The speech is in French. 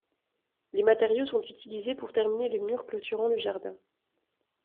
Les matériaux sont utilisés pour terminer le mur clôturant le jardin.